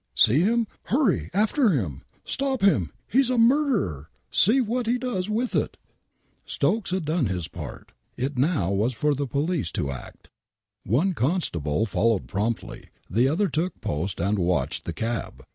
" See him ? Hurry after him !"" Stop him ! He's a murderer !! See what he does with it !!!" Stokes had done his part; it was now for the police to act. One constable followed promptly ; the other took post and watched the cab.